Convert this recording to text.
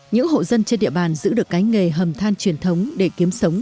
những hộ dân trên địa bàn giữ được cái nghề hầm than truyền thống để kiếm sống